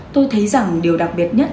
tôi thấy rằng điều đặc biệt nhất